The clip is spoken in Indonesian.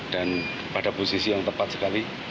dan pada posisi yang tepat sekali